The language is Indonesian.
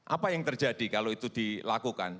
apa yang terjadi kalau itu dilakukan